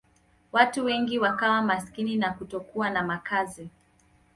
Watu wengi wakawa maskini na kutokuwa na makazi.